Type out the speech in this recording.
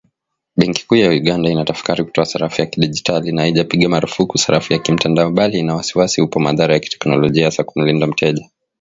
Benki kuu ya Uganda inatafakari kutoa sarafu ya kidigitali na haijapiga marufuku sarafu ya kimtandao, bali ina wasiwasi upo madhara ya kiteknolojia hasa kumlinda mteja.